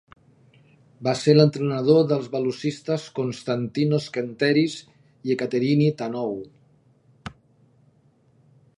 Va ser l'entrenador dels velocistes Konstantinos Kenteris i Ekaterini Thanou.